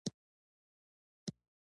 کلي د افغانستان په اوږده تاریخ کې دي.